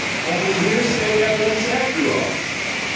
Only hearsay evidence after all.